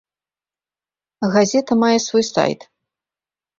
Газета мае свой сайт.